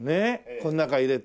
この中入れて。